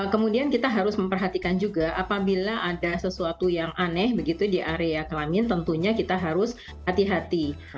kemudian kita harus memperhatikan juga apabila ada sesuatu yang aneh begitu di area kelamin tentunya kita harus hati hati